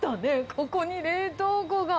ここに冷凍庫が。